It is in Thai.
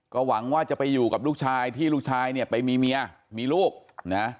ก็หวังว่าจะไปอยู่กับลูกชายที่ลูกชายเนี่ยไปมีเมียมีลูกนะ